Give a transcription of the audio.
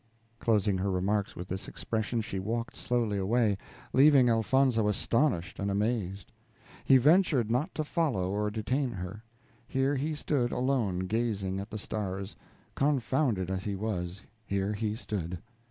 Closing her remarks with this expression, she walked slowly away, leaving Elfonzo astonished and amazed. He ventured not to follow or detain her. Here he stood alone, gazing at the stars; confounded as he was, here he stood.